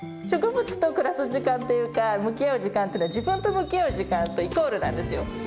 植物と暮らす時間っていうか、向き合う時間っていうのは、自分と向き合う時間とイコールなんですよ。